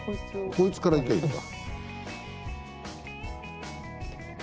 こいつからいきゃあいいんだ。